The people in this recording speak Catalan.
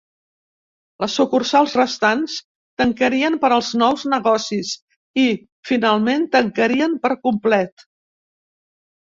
Les sucursals restants tancarien per als nous negocis i, finalment, tancarien per complet.